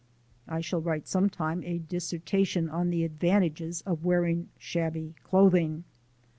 (I shall write some time a dissertation on the advantages, of wearing shabby clothing.)